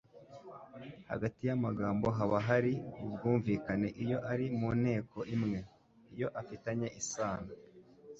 Hagati y’amagambo haba hari ubwumvikane iyo ari mu nteko imwe, iyo afitanye isano.